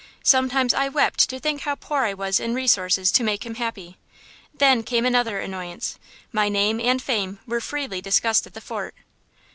Sometimes I wept to think how poor I was in resources to make him happy Then came another annoyance–my name and fame were freely discussed at the fort."